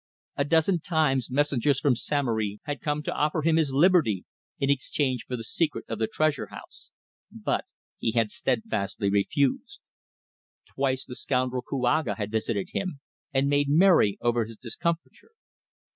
A dozen times messengers from Samory had come to offer him his liberty in exchange for the secret of the Treasure house, but he had steadfastly refused. Twice the scoundrel Kouaga had visited him and made merry over his discomfiture.